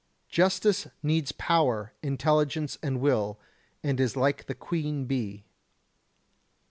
Justice needs power, intelligence and will, and is like the Queen Bee.